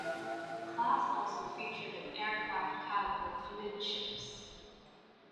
The class also featured an aircraft catapult amidships.